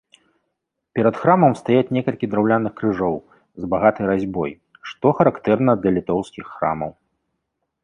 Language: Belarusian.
Перад храмам стаяць некалькі драўляных крыжоў з багатай разьбой, што характэрна для літоўскіх храмаў.